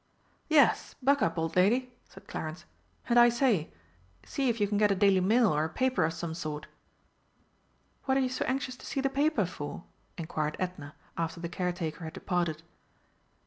"Yes, buck up, old lady!" said Clarence, "and I say, see if you can get a Daily Mail or a paper of some sort." "What are you so anxious to see the paper for?" inquired Edna after the caretaker had departed.